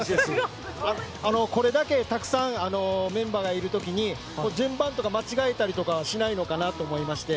これだけたくさんメンバーがいるときに順番とか間違えたりとかしないのかなと思いまして。